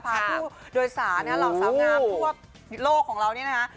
พาผู้โดยสารเหล่าสาวงามทั่วโลกของเรานี่นะคะ